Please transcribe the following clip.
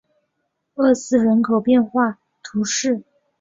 厄斯人口变化图示